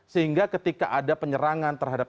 sehingga ketika ada penyerangan terhadap